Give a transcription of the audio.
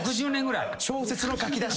・小説の書き出し。